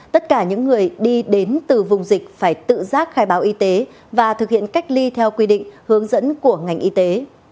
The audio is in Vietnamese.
tất cả những người đi đến từ vùng dịch phải tự giác khai báo y tế và thực hiện cách ly theo quy định hướng dẫn của ngành y tế